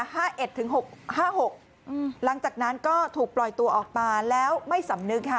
หลังจากนั้นก็ถูกปล่อยตัวออกมาแล้วไม่สำนึกค่ะ